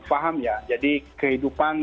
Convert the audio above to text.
paham ya jadi kehidupan